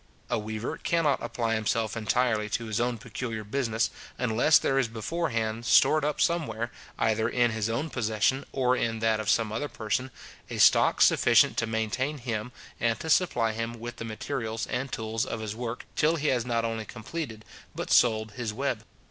A weaver cannot apply himself entirely to his peculiar business, unless there is before hand stored up somewhere, either in his own possession, or in that of some other person, a stock sufficient to maintain him, and to supply him with the materials and tools of his work, till he has not only completed, but sold his web.